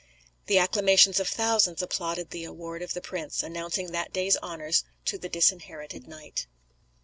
The acclamations of thousands applauded the award of the prince, announcing that day's honours to the Disinherited Knight.